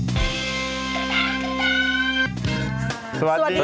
อุปกรณ์ค่ะ